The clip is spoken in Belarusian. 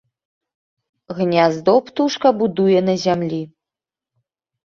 Гняздо птушка будуе на зямлі.